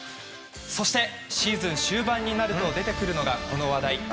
そして、シーズン終盤になると出てくるのがこの話題。